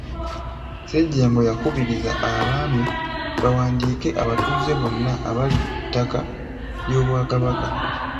Ssejjengo yakubirizza abaami bawandiike abatuuze bonna abali ku ttaka ly’Obwakabaka.